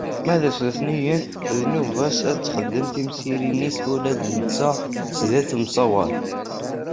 Ma d ass n letnayen, d nnuba-as ad d-yexdem tamsirt-is ula d netta sdat umaswaḍ.